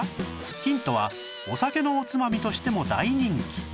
ヒントはお酒のおつまみとしても大人気